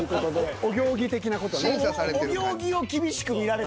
お行儀的な事ね。